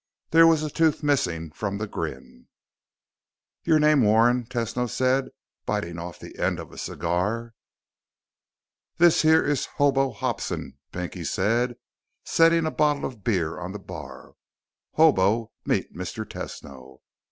There was a tooth missing from the grin. "Your name Warren?" Tesno said, biting off the end of a cigar. "This here is Hobo Hobson," Pinky said, setting a bottle of beer on the bar. "Hobo, meet Mr. Tesno."